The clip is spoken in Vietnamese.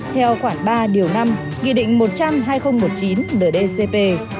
theo khoảng ba điều năm ghi định một trăm linh hai nghìn một mươi chín ndcp